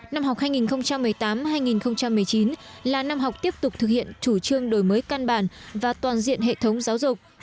năm học hai nghìn một mươi tám hai nghìn một mươi chín là năm học tiếp tục thực hiện chủ trương đổi mới căn bản và toàn diện hệ thống giáo dục